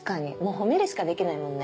褒めるしかできないもんね。